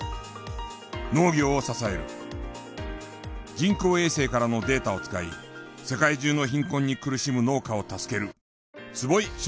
人工衛星からのデータを使い世界中の貧困に苦しむ農家を助ける。